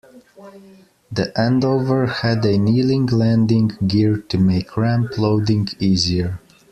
The Andover had a kneeling landing gear to make ramp loading easier.